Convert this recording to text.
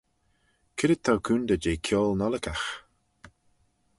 C'red t'ou coontey jeh kiaull Nollickagh?